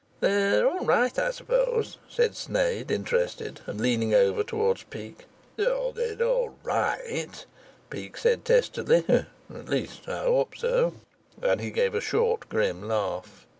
"They're all right, I suppose?" said Sneyd, interested, and leaning over towards Peake. "Oh, they're all right," Peake said testily. "At least, I hope so," and he gave a short, grim laugh.